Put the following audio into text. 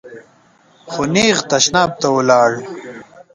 خو نېغ تشناب ته ولاړ .